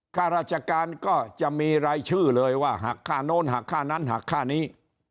ข้าราชการก็จะมีรายชื่อเลยว่าหักค่าโน้นหักค่านั้นหักค่านี้